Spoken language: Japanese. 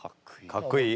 かっこいい。